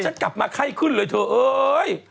ฉันกลับมาไข้ขึ้นเลยเธอเอ้ย